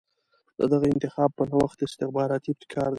د دغه انتخاب په نوښت استخباراتي ابتکار دی.